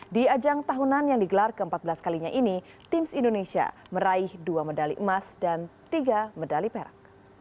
di ajang tahunan yang digelar ke empat belas kalinya ini tims indonesia meraih dua medali emas dan tiga medali perak